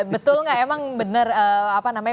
betul nggak emang bener apa namanya